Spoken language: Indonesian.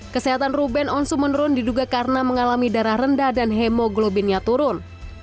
kesehatan ruben onsu menurun diduga karena mengalami darah rendah dan hemoglobinnya turun